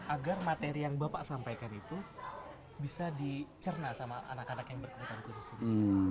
agar materi yang bapak sampaikan itu bisa dicerna sama anak anak yang berkebutuhan khusus ini